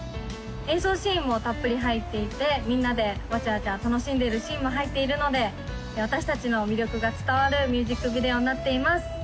演奏シーンもたっぷり入っていてみんなでわちゃわちゃ楽しんでいるシーンも入っているので私達の魅力が伝わるミュージックビデオになっています